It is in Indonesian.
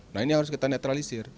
nah ini harus kita netralisir